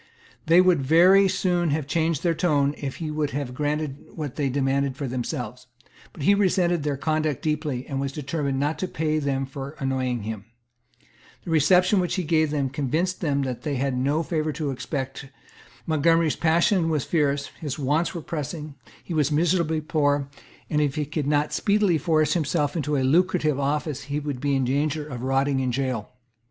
They would very soon have changed their tone if he would have granted what they demanded for themselves. But he resented their conduct deeply, and was determined not to pay them for annoying him. The reception which he gave them convinced them that they had no favour to expect. Montgomery's passions were fierce; his wants were pressing; he was miserably poor; and, if he could not speedily force himself into a lucrative office, he would be in danger of rotting in a gaol.